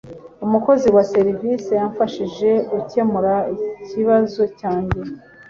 Umukozi wa serivisi yamfashije gukemura ikibazo cyanjye.